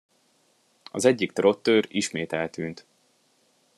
Az egyik trottőr ismét eltűnt.